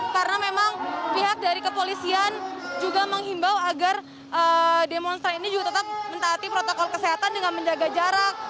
karena memang pihak dari kepolisian juga menghimbau agar demonstran ini juga tetap mentaati protokol kesehatan dengan menjaga jarak